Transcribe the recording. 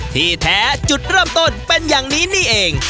ที่แท้จุดเริ่มต้นเป็นอย่างนี้นี่เอง